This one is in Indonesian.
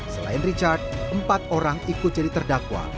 selain richard empat orang ikut jadi terdakwa